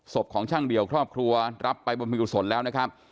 ของช่างเดี่ยวครอบครัวรับไปบนพิกุศลแล้วนะครับ